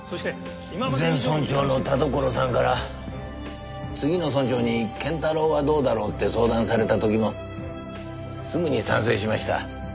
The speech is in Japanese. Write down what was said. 前村長の田所さんから次の村長に謙太郎はどうだろうって相談された時もすぐに賛成しました。